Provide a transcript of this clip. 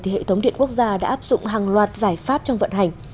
hệ thống điện quốc gia đã áp dụng hàng loạt giải pháp trong vận hành